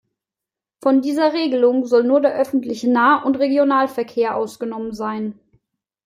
Von dieser Regelung soll nur der öffentliche Nah- und Regionalverkehr ausgenommen sein.